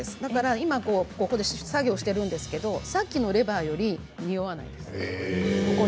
今ここで作業しているんですけどさっきのレバーよりにおわないです。